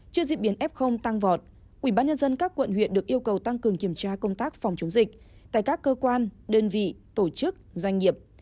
trước diễn biến f tăng vọt ubnd các quận huyện được yêu cầu tăng cường kiểm tra công tác phòng chống dịch tại các cơ quan đơn vị tổ chức doanh nghiệp